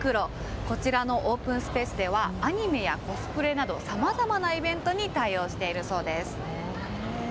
こちらのオープンスペースではアニメやコスプレなどさまざまなイベントに対応しているそうです。